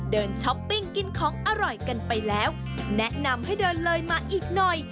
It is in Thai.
ช้อปปิ้งกินของอร่อยกันไปแล้วแนะนำให้เดินเลยมาอีกหน่อย